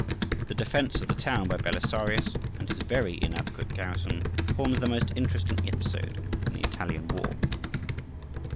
The defence of the town by Belisarius and his very inadequate garrison forms the most interesting episode in the Italian war.